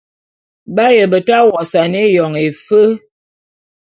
B'aye beta wosane éyon éfe.